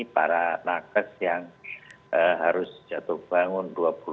para nakes yang harus jatuh bangun